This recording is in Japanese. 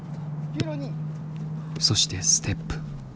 そしてステップ。